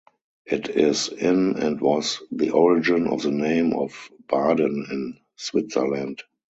It is in and was the origin of the name of Baden in Switzerland.